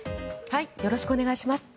よろしくお願いします。